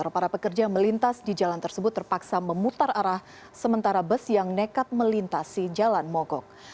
para pekerja yang melintas di jalan tersebut terpaksa memutar arah sementara bus yang nekat melintasi jalan mogok